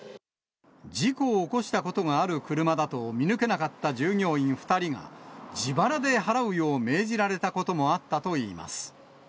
事故を起こしたことがある車だと見抜けなかった従業員２人が、自腹で払うよう命じられたこともあったといいます。